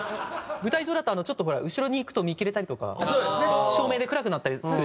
舞台上だとちょっとほら後ろに行くと見切れたりとか照明で暗くなったりする。